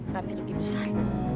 tante lagi besar